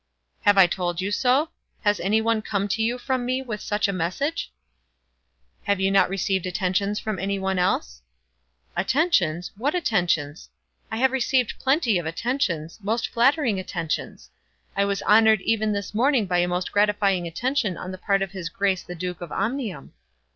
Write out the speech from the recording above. "Have I told you so? Has any one come to you from me with such a message?" "Have you not received attentions from any one else?" "Attentions, what attentions? I have received plenty of attentions, most flattering attentions. I was honoured even this morning by a most gratifying attention on the part of his grace the Duke of Omnium."